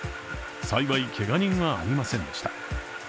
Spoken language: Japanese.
幸い、けが人はありませんでした。